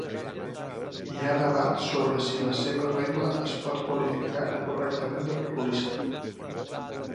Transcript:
Hi ha debat sobre si la seva regla es pot qualificar correctament de populista.